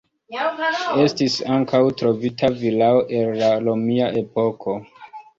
Estis ankaŭ trovita vilao el la romia epoko.